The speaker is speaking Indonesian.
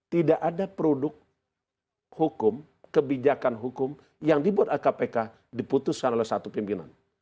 tidak ada produk hukum kebijakan hukum yang dibuat oleh kpk diputuskan oleh satu pimpinan